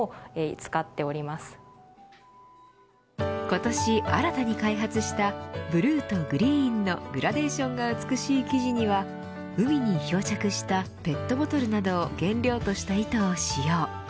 今年、新たに開発したブルーとグリーンのグラデーションが美しい生地には海に漂着したペットボトルなどを原料とした糸を使用。